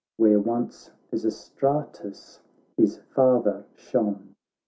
Where once Pisistratus his father shone.